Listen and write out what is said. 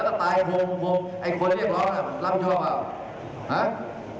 แล้วก็ตายโมงโมงไอ้คนเรียกร้องน่ะร่ำช่องอ่ะ